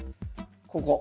ここ。